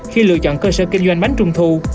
khi lựa chọn cơ sở kinh doanh bánh trung thu